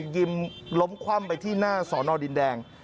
ยิมล้มคว่ำไปที่หน้าสอนอดินแดง